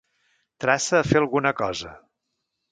Traça a fer alguna cosa.